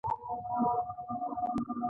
نوي یمه پوښتنه د بن توافقاتو مطالب غواړي.